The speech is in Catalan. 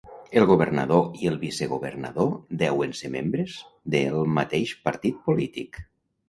El governador i el vicegovernador deuen ser membres de el mateix partit polític.